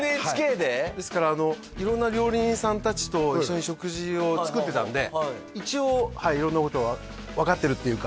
はいですから色んな料理人さん達と一緒に食事を作ってたんで一応はい色んなことは分かってるっていうか